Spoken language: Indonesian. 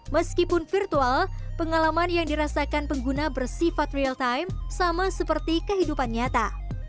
meskipun virtual pengalaman yang dirasakan pengguna bersifat real time sama seperti kehidupan nyata